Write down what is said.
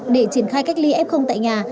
để triển khai cách ly ép không tại nhà